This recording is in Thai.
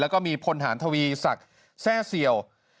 แล้วก็มีพลฐานทวีศักดิ์แทร่เสี่ยว